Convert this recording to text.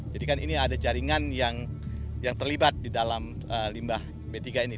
jadi kan ini ada jaringan yang terlibat di dalam limbah b tiga ini